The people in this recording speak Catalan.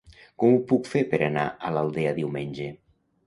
Com ho puc fer per anar a l'Aldea diumenge?